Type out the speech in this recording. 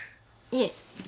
いえ。